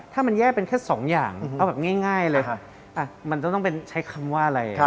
ถ้ามันแยกเป็นแค่สองอย่างเอาแบบง่ายเลยมันจะต้องเป็นใช้คำว่าอะไร